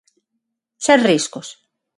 Sen riscos.